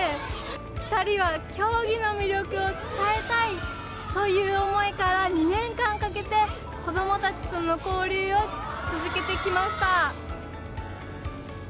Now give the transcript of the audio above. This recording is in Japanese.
２人は競技の魅力を伝えたいという思いから２年間かけて子どもたちとの交流を続けてきました。